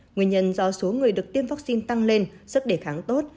nguyên nhân do số người được tiêm vaccine tăng lên sức đề kháng tốt